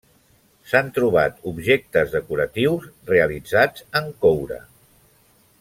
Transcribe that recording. S'han trobat objectes decoratius realitzats en coure.